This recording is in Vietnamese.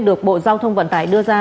được bộ giao thông vận tải đưa ra